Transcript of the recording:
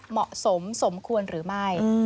เหมาะสมสมควรหรือไม่